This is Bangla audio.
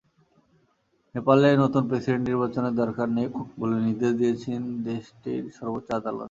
নেপালে নতুন প্রেসিডেন্ট নির্বাচনের দরকার নেই বলে নির্দেশ দিয়েছেন দেশটির সর্বোচ্চ আদালত।